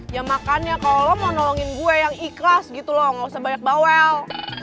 ya makannya kalau lo mau nolongin gue yang ikhlas gitu loh nggak usah banyak bawel